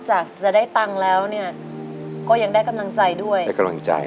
จากจะได้ตังค์แล้วเนี่ยก็ยังได้กำลังใจด้วยได้กำลังใจ